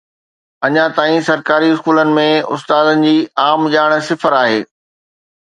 اڃا تائين سرڪاري اسڪولن ۾ استادن جي عام ڄاڻ صفر آهي